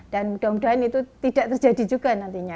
dan mudah mudahan itu tidak terjadi juga nantinya